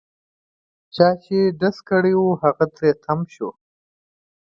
چا چې ډز کړی وو هغه تري تم شو.